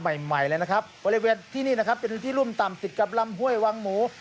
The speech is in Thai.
ใหม่ใหม่เลยนะครับบริเวณที่นี่นะครับเป็นพื้นที่รุ่มต่ำติดกับลำห้วยวังหมู